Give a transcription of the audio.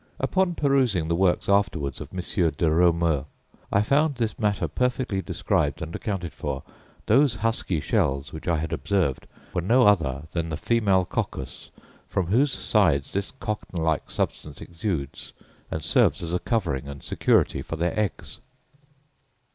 Upon perusing the works afterwards of M. de Reaumur, I found this matter perfectly described and accounted for. Those husky shells, which I had observed, were no other than the female coccus, from whose sides this cotton like substance exudes, and serves as a covering and security for their eggs.